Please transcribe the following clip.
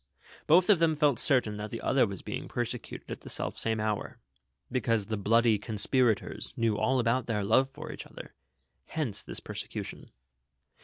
Both of them felt certain that the other was being per secuted at the selfsame hour ; because the Moody conspira tors knew all about their love for each other, hence this persecution.